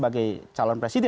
bagaimana dengan pak zulkifli